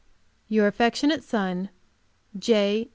Your affectionate Son, J.